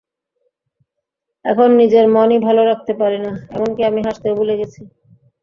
এখন নিজের মনই ভালো রাখতে পারি না, এমনকি আমি হাসতেও ভুলে গেছি।